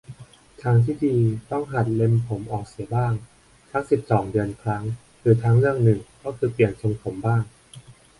ทางที่ดีต้องหัดเล็มผมเสียออกบ้าง สัก สิบสอง เดือนครั้ง หรือทางเลือกหนึ่งก็คือเปลี่ยนทรงผมบ้าง